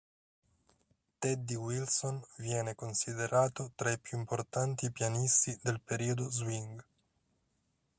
Teddy Wilson viene considerato tra i più importanti pianisti del periodo swing.